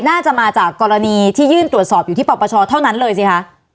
น่าจะมาจากกรณีที่ยื่นตรวจสอบอยู่ที่ปปชเท่านั้นเลยสิคะ